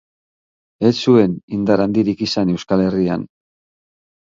Ez zuen indar handirik izan Euskal Herrian.